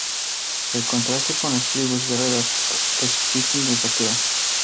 En contraste con las tribus guerreras que subsisten del saqueo".